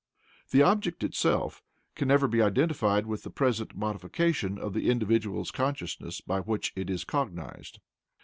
"The object itself can never be identified with the present modification of the individual's consciousness by which it is cognized" (ib.